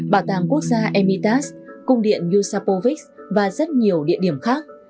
bảo tàng quốc gia emitas cung điện yusupovits và rất nhiều địa điểm khác